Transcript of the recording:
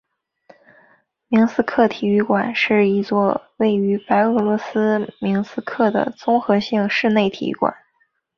明斯克体育馆是一座位于白俄罗斯明斯克的综合性室内体育馆。